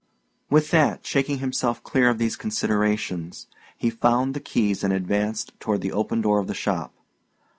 With that, shaking himself clear of these considerations, he found the keys and advanced toward the open door of the shop.